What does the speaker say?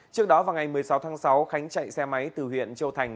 trước đó vào ngày một mươi sáu tháng sáu khánh chạy xe máy từ huyện châu thành